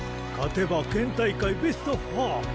勝てば県大会ベスト４。